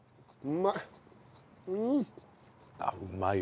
うまい！